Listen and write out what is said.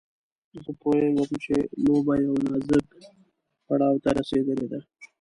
زه پوهېږم چې لوبه يوه نازک پړاو ته رسېدلې ده.